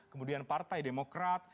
kemudian partai demokrat